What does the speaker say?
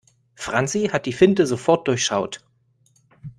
Franzi hat die Finte sofort durchschaut.